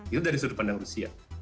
itu dari sudut pandang rusia